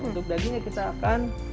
untuk dagingnya kita akan